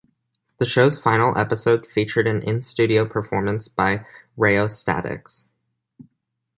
The show's final episode featured an in-studio performance by Rheostatics.